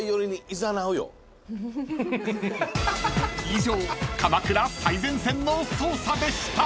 ［以上鎌倉最前線の捜査でした］